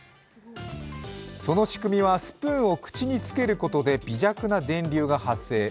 その仕組みはスプーンを口につけることで微弱な電流が発生。